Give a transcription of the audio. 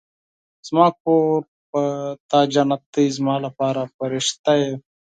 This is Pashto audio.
زما کور په تا جنت دی ، زما لپاره فرښته ېې